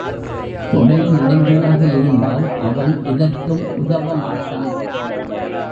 தொடை நடுங்கியாக இருந்தால் அவன் எதற்கும் உதவமாட்டான்.